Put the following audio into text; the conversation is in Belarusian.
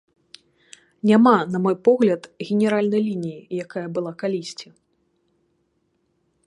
Няма, на мой погляд, генеральнай лініі, якая была калісьці.